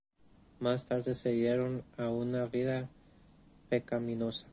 Más tarde se dieron a una vida pecaminosa.